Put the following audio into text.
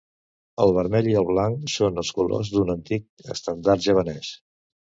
El vermell i el blanc són els colors d'un antic estendard javanès.